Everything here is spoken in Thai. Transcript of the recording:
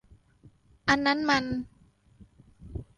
อันนั้นมัน